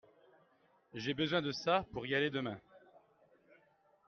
J'ai besoin de ça pour y aller demain.